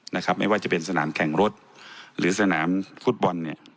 นะครับไม่ว่าจะเป็นสนามแข่งรถหรือสนามฟุตบอลเนี่ย